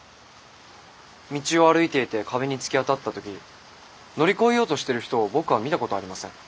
道を歩いていて壁に突き当たった時乗り越えようとしてる人を僕は見たことありません。